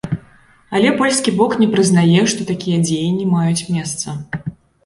Але польскі бок не прызнае, што такія дзеянні маюць месца.